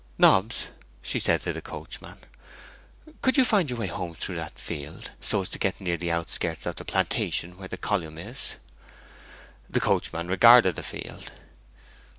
'Nobbs,' she said to the coachman, 'could you find your way home through that field, so as to get near the outskirts of the plantation where the column is?' The coachman regarded the field.